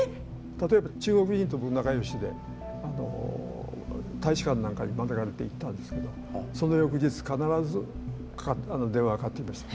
例えば中国人と僕仲よしで大使館なんかに招かれて行ったんですけどその翌日必ず電話がかかってきました。